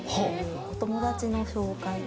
お友達の紹介。